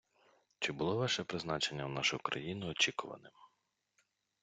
Чи було ваше призначення в нашу країну очікуваним?